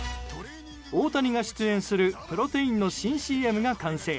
大谷が出演するプロテインの新ＣＭが完成。